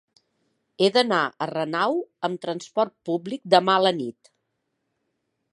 He d'anar a Renau amb trasport públic demà a la nit.